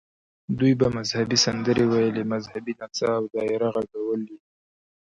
دوی به مذهبي سندرې ویلې، مذهبي نڅا او دایره غږول یې.